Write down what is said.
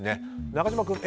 中島君、Ａ。